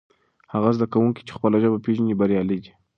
هغه زده کوونکی چې خپله ژبه پېژني بریالی دی.